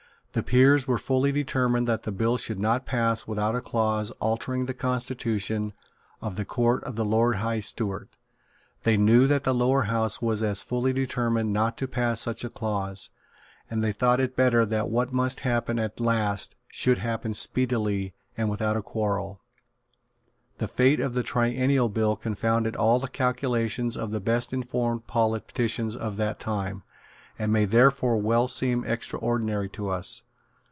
The Peers were fully determined that the bill should not pass without a clause altering the constitution of the Court of the Lord High Steward: they knew that the Lower House was as fully determined not to pass such a clause; and they thought it better that what must happen at last should happen speedily, and without a quarrel. The fate of the Triennial Bill confounded all the calculations of the best informed politicians of that time, and may therefore well seem extraordinary to us.